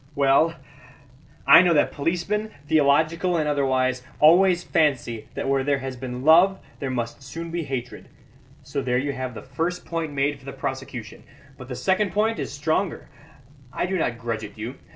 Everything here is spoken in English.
Well, I know that policemen, theological and otherwise, always fancy that where there has been love there must soon be hatred; so there you have the first point made for the prosecution. But the second point is stronger; I do not grudge it you.